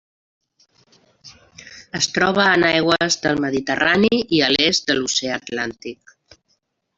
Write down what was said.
Es troba en aigües del Mediterrani i a l'est de l'Oceà Atlàntic.